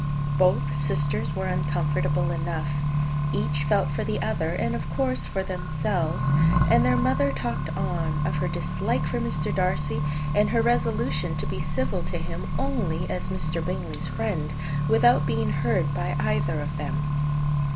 Both sisters were uncomfortable enough. Each felt for the other, and of course for themselves; and their mother talked on of her dislike of Mr. Darcy, and her resolution to be civil to him only as Mr. Bingley's friend, without being heard by either of them.